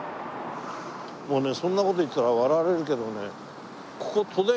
もうねそんな事言ったら笑われるけどね